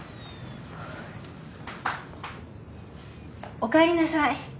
おかえりなさい。